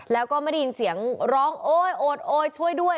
แล้วก็ไม่ได้ยินเสียงร้องโอ๊ยโอดโอ๊ยช่วยด้วย